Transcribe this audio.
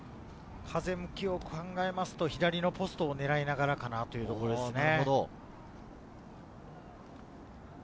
風向きを考えると、左のポストを狙いながらかなというところですね。